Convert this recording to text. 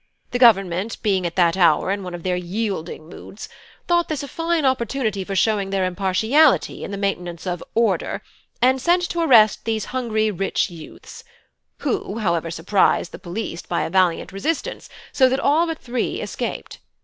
The Government, being at that hour in one of their yielding moods, thought this a fine opportunity for showing their impartiality in the maintenance of 'order,' and sent to arrest these hungry rich youths; who, however, surprised the police by a valiant resistance, so that all but three escaped.